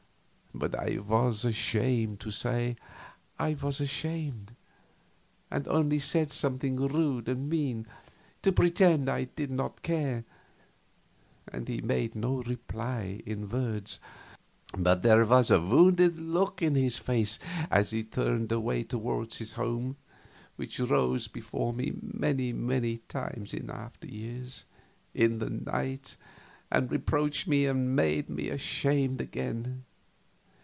But I was ashamed to say I was ashamed, and only said something rude and mean, to pretend I did not care, and he made no reply in words, but there was a wounded look in his face as he turned away toward his home which rose before me many times in after years, in the night, and reproached me and made me ashamed again.